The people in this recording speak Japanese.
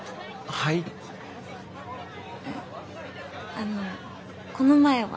ああのこの前は。